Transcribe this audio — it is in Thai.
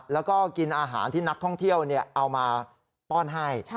แล้วก็กินอาหารที่นักท่องเที่ยวเอามาป้อนให้